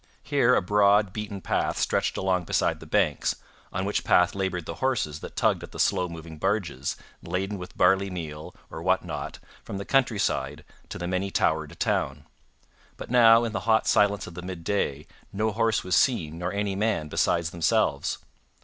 Here a broad, beaten path stretched along beside the banks, on which path labored the horses that tugged at the slow moving barges, laden with barley meal or what not, from the countryside to the many towered town. But now, in the hot silence of the midday, no horse was seen nor any man besides themselves.